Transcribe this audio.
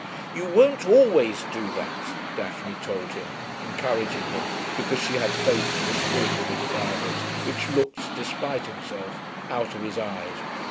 'You won't always do that,' Daphne told him, encouraging him, because she had faith in the spirit of his fathers, which looked despite himself out of his eyes.